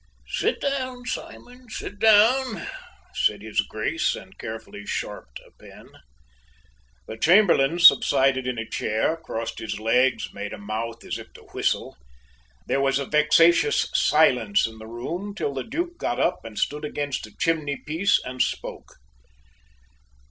"Sit down, Simon, sit down," said his Grace and carefully sharped a pen. The Chamberlain subsided in a chair; crossed his legs; made a mouth as if to whistle. There was a vexatious silence in the room till the Duke got up and stood against the chimney piece and spoke.